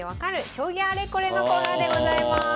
将棋あれこれ」のコーナーでございます。